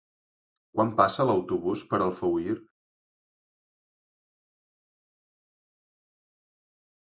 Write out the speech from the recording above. Quan passa l'autobús per Alfauir?